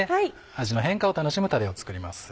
味の変化を楽しむタレを作ります。